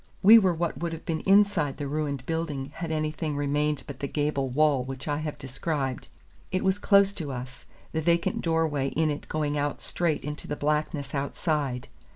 We were what would have been inside the ruined building had anything remained but the gable wall which I have described. It was close to us, the vacant door way in it going out straight into the blackness outside.